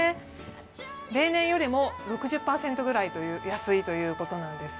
例年よりも６０％ぐらい安いということで。